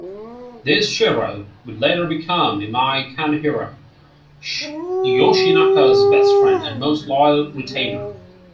This Shiro would later become Imai Kanehira, Yoshinaka's best friend and most loyal retainer.